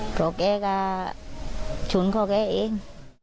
เพราะแกก็ฉุนพ่อแกเอง